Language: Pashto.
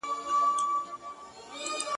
o پاړوگر د مار له لاسه مري.